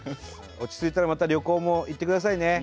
落ち着いたらまた旅行も行ってくださいね。